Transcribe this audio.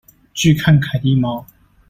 拒看凱蒂貓